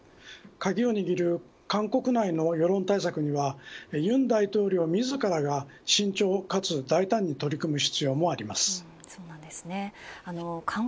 鍵を握る韓国内の世論対策には尹大統領自らが慎重かつ大胆に取り組む必要もあります。